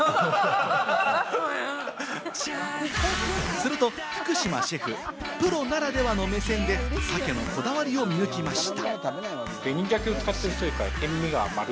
すると福島シェフ、プロならではの目線で、鮭のこだわりを見抜きました。